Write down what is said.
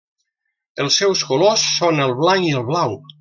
Els seus colors són el blanc i el blau.